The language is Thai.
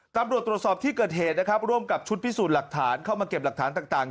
ตำรวจตรวจสอบที่เกิดเหตุนะครับร่วมกับชุดพิสูจน์หลักฐานเข้ามาเก็บหลักฐานต่าง